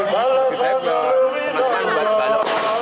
lebih baik buat mantan balon